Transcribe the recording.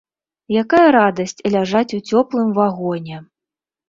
Якая радасць ляжаць у цёплым вагоне!